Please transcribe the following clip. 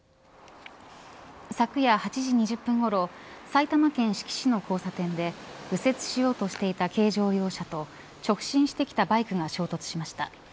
昨夜８時２０分ごろ埼玉県志木市の交差点で右折しようとしていた軽乗用車と直進してきたバイクが衝突しました。